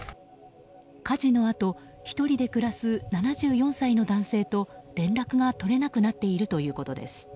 火事のあと１人で暮らす７４歳の男性と連絡が取れなくなっているということです。